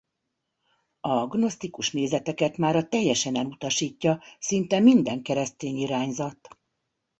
A gnosztikus nézeteket mára teljesen elutasítja szinte minden keresztény irányzat.